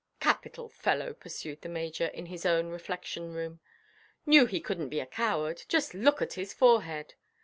"Capital fellow!" pursued the Major, in his own reflection–room; "knew he couldnʼt be a coward: just look at his forehead.